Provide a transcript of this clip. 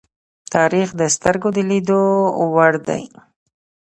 تاریخ د سترگو د لیدلو وړ دی.